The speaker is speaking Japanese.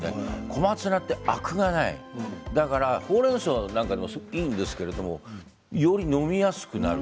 小松菜はアクがない、だからほうれんそうなんかもいいんですけどより飲みやすくなる。